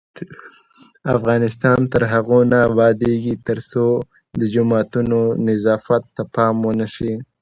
افغانستان تر هغو نه ابادیږي، ترڅو د جوماتونو نظافت ته پام ونشي.